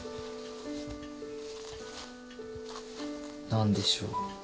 何でしょう。